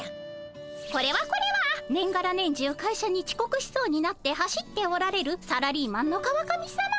これはこれは年がら年中会社にちこくしそうになって走っておられるサラリーマンの川上さま。